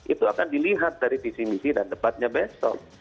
itu akan dilihat dari disimisi dan debatnya besok